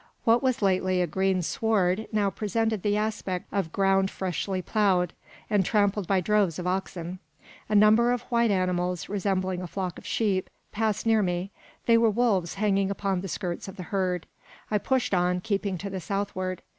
What was lately a green sward now presented the aspect of ground freshly ploughed, and trampled by droves of oxen. A number of white animals, resembling a flock of sheep, passed near me. They were wolves hanging upon the skirts of the herd. I pushed on, keeping to the southward.